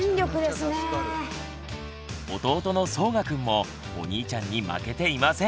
弟のそうがくんもお兄ちゃんに負けていません。